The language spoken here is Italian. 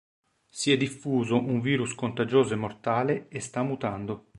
Si è diffuso un virus contagioso e mortale e sta mutando.